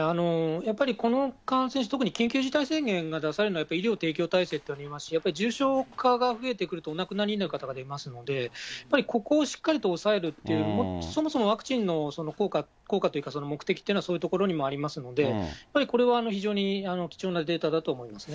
やっぱりこの緊急事態宣言が出されるのは医療提供体制ってありますし、やっぱり重症化が増えてくると、お亡くなりになる方がありますので、やっぱりここをしっかりと抑えるっていうより、そもそもワクチンの効果、効果というか、目的というのはそういうところにありますので、やっぱりこれは非常に貴重なデータだと思うんですね。